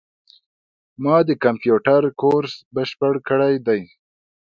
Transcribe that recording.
ما د کامپیوټر کورس بشپړ کړی ده